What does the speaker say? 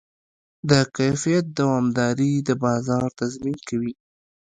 د کیفیت دوامداري د بازار تضمین کوي.